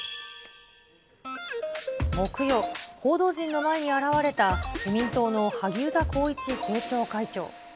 木曜、報道陣の前に現れた自民党の萩生田光一政調会長。